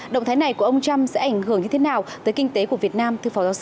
động thái này của ông trump sẽ ảnh hưởng như thế nào tới kinh tế của việt nam